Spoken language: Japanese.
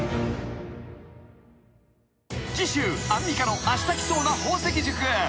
［次週アンミカのあしたきそうな宝石塾］